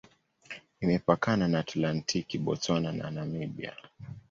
Imepakana na Atlantiki, Botswana na Namibia.